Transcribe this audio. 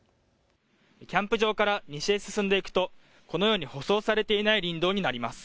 キャンプ場から西へ進んでいくとこのように舗装されていない林道になります。